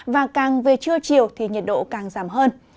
và càng về trưa chiều thì nhiệt độ càng giảm hơn